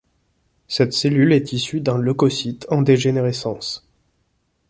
Cette cellule est issue d'un leucocyte en dégénérescence.